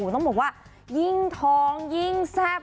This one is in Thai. โอ้หูต้องบอกว่ายิ่งทองยิ่งแทบ